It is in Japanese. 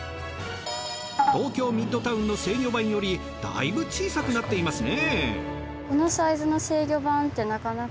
東京ミッドタウンの制御盤よりだいぶ小さくなっていますね。